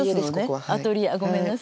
アトリエごめんなさい。